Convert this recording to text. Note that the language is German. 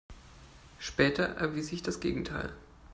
Später erwies sich das Gegenteil.